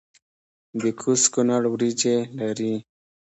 د کوز کونړ وریجې لري